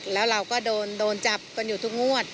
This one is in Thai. แล้วเราก็โดนจับกันอยู่ทุกงวด